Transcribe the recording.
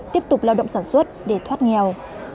tiếp tục lao động sản xuất để thoát nghèo